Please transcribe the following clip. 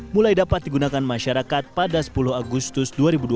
mulai dapat digunakan masyarakat pada sepuluh agustus dua ribu dua puluh